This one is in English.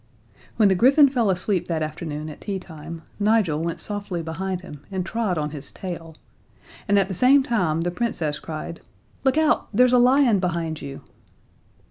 When the griffin fell asleep that afternoon at teatime, Nigel went softly behind him and trod on his tail, and at the same time the Princess cried: "Look out! There's a lion behind you."